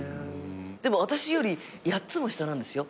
でも私より８つも下なんですよ。